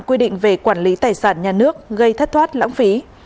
quy định về quản lý tài sản nhà nước gây thất thoát lãng phí